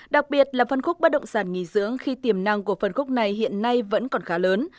đặc biệt là phân khúc bất động sản nghỉ dưỡng khi tiềm năng của phân khúc này hiện nay vẫn còn khá lớn